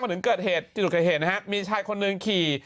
ฮะถึงเกิดเหตุที่ถูกใจเห็นนะฮะมีชายคนหนึ่งขี่